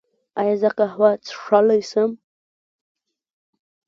ایا زه قهوه څښلی شم؟